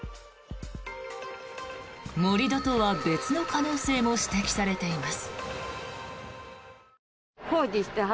盛り土とは別の可能性も指摘されています。